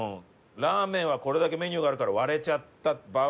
らーめんはこれだけメニューがあるから割れちゃった場合。